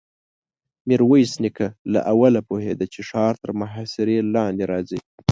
ميرويس نيکه له اوله پوهېده چې ښار تر محاصرې لاندې راځي.